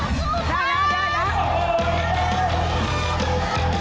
เดี๋ยว